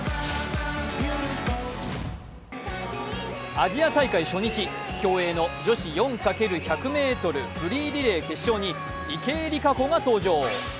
アジア大会初日、競泳の女子４×１００ｍフリーリレー決勝に池江璃花子が登場。